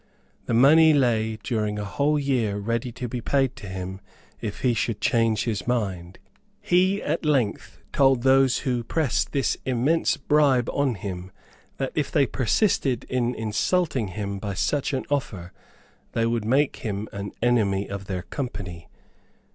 The money lay during a whole year ready to be paid to him if he should change his mind. He at length told those who pressed this immense bribe on him, that if they persisted in insulting him by such an offer, they would make him an enemy of their Company.